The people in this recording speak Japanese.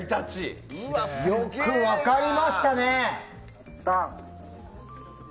よく分かりましたね？